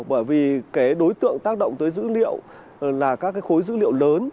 bởi vì đối tượng tác động tới dữ liệu là các khối dữ liệu lớn